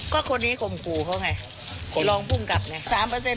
ก็คนนี้ข่มกูเขาไงร้องภูมิกับเนี่ย